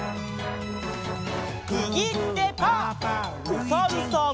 おさるさん。